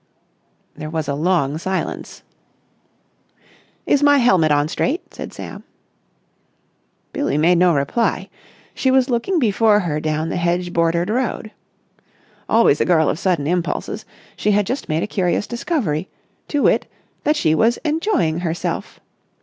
There was a long silence. "Is my helmet on straight?" said Sam. Billie made no reply. She was looking before her down the hedge bordered road. Always a girl of sudden impulses, she had just made a curious discovery, to wit that she was enjoying herself.